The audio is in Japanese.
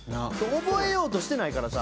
覚えようとしてないからさ。